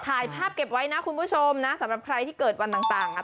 ถ่ายภาพเก็บไว้นะคุณผู้ชมนะสำหรับใครที่เกิดวันต่างอ่ะ